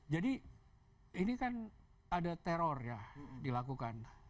jadi ini kan ada teror ya dilakukan